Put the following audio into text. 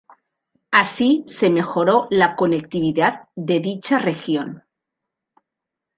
Así se mejoró la conectividad de dicha región.